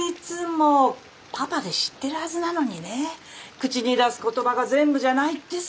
口に出す言葉が全部じゃないってさ。